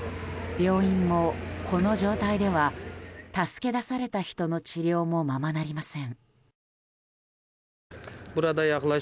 病院もこの状態では助け出された人の治療もままなりません。